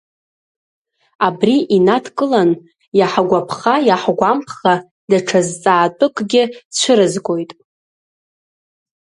Абри инадкылан, иаҳгәаԥха-иаҳгәамԥха даҽа зҵаатәыкгьы цәырызгоит.